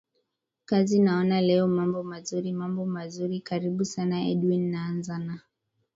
kazi naona leo mambo mazuri mambo mazuri karibu sana edwin naanza na